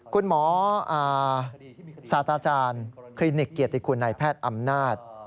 คุณหมอสาธารย์คลินิกเกียรติคุณนายแพทย์อำนาจ